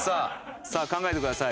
さあ考えてください。